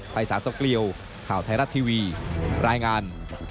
ไฟศาสตร์สกลียวข่าวไทยรัฐทีวีรายงาน